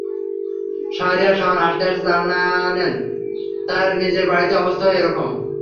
শাহরিয়ার শাওন হাসতে হাসতে জানালেন, তাঁর নিজের বাড়ির অবস্থাও একই রকম।